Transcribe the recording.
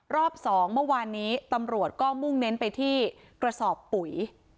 รอบ๒เมื่อวานนี้ตำรวจก็มุ่งเน้นไปที่กระสอบปุ๋ย